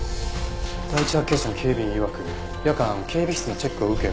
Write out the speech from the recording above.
第一発見者の警備員いわく夜間警備室のチェックを受け